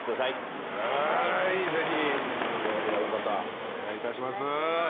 はいぜひ興味ある方お願いいたします。